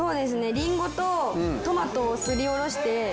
りんごとトマトをすりおろして。